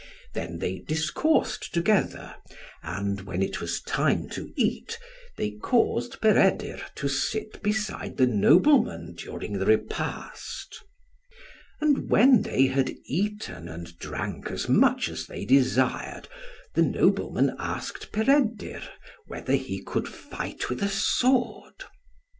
Then they discoursed together; and when it was time to eat, they caused Peredur to sit beside the nobleman during the repast. And when they had eaten and drank as much as they desired, the nobleman asked Peredur, whether he could fight with a sword?